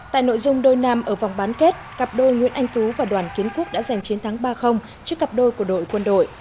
tại nội dung đôi nam ở vòng bán kết cặp đôi nguyễn anh tú và đoàn kiến quốc đã giành chiến thắng ba trước cặp đôi của đội quân đội